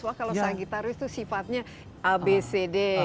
wah kalau sagittarius itu sifatnya abcd